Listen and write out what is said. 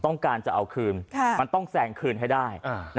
ต้องการจะเอาคืนมันต้องแสงคืนให้ได้